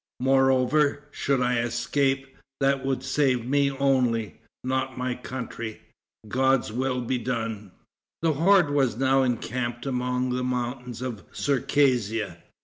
Moreover, should I escape, that would save me only, not my country. God's will be done." The horde was now encamped among the mountains of Circassia.